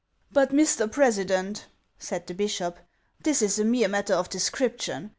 " But, Mr. President," said the bishop, " this is a mere matter of description.